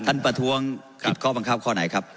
ประท้วงผิดข้อบังคับข้อไหนครับ